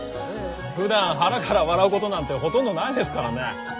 ふだん腹から笑うことなんてほとんどないですからね。